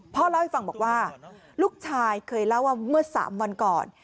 พ่อเล่าให้ฟังบอกว่าลูกชายเคยเล่าว่าเมื่อ๓วันก่อน